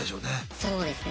そうですね。